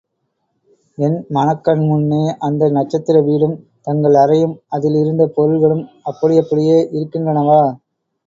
என் மனக் கண்முன்னே, அந்த நட்சத்திர வீடும், தங்கள் அறையும், அதில் இருந்த பொருள்களும் அப்படியப்படியே இருக்கின்றனவா?